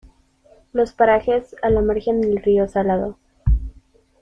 Los parajes a la margen del río Salado.